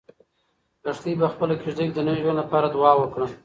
لښتې په خپلې کيږدۍ کې د نوي ژوند لپاره دعا وکړه.